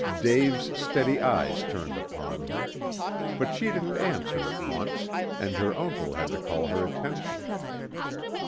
Dave's steady eyes turned upon her. But she didn't answer at once, and her uncle had to call her attention.